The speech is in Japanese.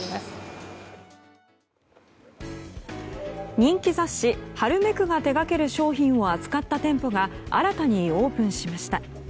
人気雑誌「ハルメク」が手掛ける商品を扱った店舗が新たにオープンしました。